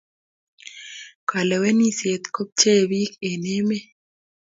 Kalewenisiet ko pcheei pik eng emet